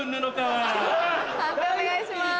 判定お願いします。